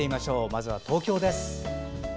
まずは東京です。